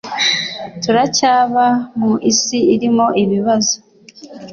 Turacyaba mu isi irimo ibibazo